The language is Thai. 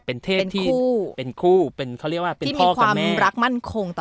เป็นเทพที่เป็นคู่เป็นเขาเรียกว่าเป็นพ่อกับแม่รักมั่นคงต่อ